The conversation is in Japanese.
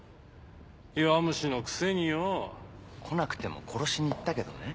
弱虫のくせによ。来なくても殺しに行ったけどね。